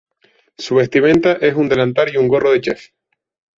Su vestimenta es un delantal y un gorro de chef.